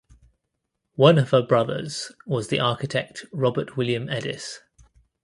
One of her brothers was the architect Robert William Edis.